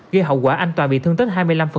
gây hậu quả anh tòa bị thương tích hai mươi năm